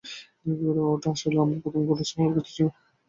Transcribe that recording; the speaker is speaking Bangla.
ওটা আসলে আমার প্রথম ঘোড়া হওয়ার কথা ছিল।